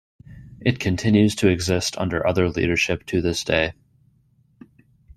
It continues to exist under other leadership to this day.